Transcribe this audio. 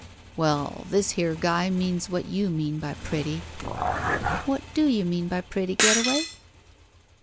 "Well, this here guy means what you mean by pretty." "What do you mean by pretty. Getaway?"